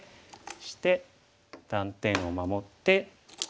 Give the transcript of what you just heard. そして断点を守って。